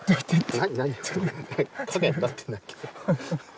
影になってないけど。